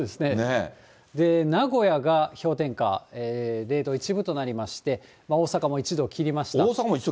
名古屋が氷点下０度１分となりまして、大阪も１度切りました。